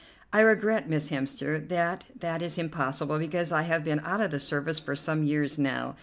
"I regret, Miss Hemster, that that is impossible, because I have been out of the service for some years now.